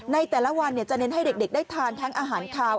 ในแต่ละวันจะเน้นให้เด็กได้ทานทั้งอาหารคาว